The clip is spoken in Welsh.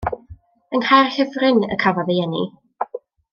Yng Nghaerhirfryn y cafodd ei eni.